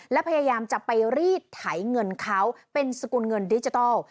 และพยายามจะไปรีดไถเงินเขาเป็นสกุลเงินดิจิทัล